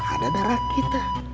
ada darah kita